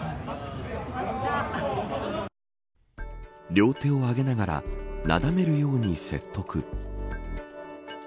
両手を上げながらなだめるように説得。